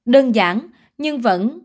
đơn giản nhưng vẫn